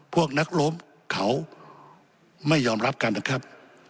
พวกนักล้มเขาไม่ยอมรับกันนะครับ